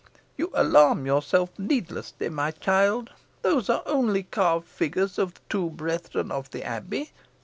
You alarm yourself needlessly, my child. Those are only carved figures of two brethren of the Abbey.